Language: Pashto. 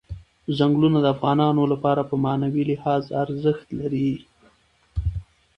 ځنګلونه د افغانانو لپاره په معنوي لحاظ ارزښت لري.